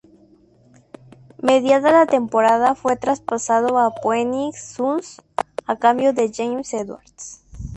Mediada la temporada fue traspasado a Phoenix Suns a cambio de James Edwards.